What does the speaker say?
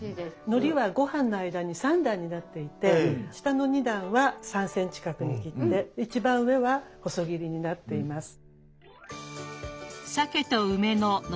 のりはごはんの間に三段になっていて下の二段は３ｃｍ角に切って一番上は細切りになっています。